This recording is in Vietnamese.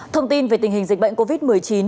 thông tin về tình hình dịch bệnh covid một mươi chín